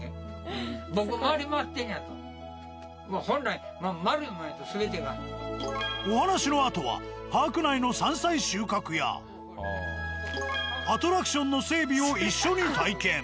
本来お話のあとはパーク内の山菜収穫やアトラクションの整備を一緒に体験。